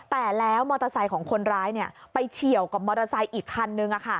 แต่แล้วมอเตอร์ไซค์ของคนร้ายไปเฉียวกับมอเตอร์ไซค์อีกคันนึง